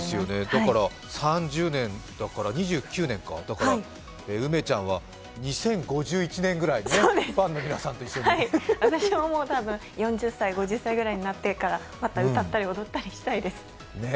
だから、３０年だから２９年か梅ちゃんは２０５１年ぐらいにファンの皆さんと一緒に果て私もたぶん、４０歳、５０歳になってるから、また歌ったり踊ったりしたいです。